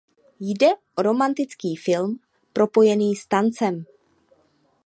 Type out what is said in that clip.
Jde o romantický film propojený s tancem.